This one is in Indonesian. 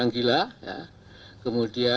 tapi kita harus tarik memori